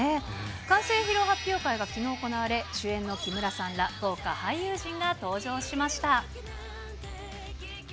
完成披露発表会がきのう行われ、主演の木村さんら、豪華俳優陣が登場しました。